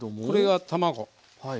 これが卵。